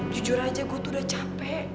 jujur aja gue tuh udah capek